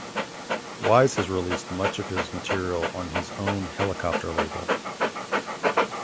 Wiese has released much of his material on his own Helicopter label.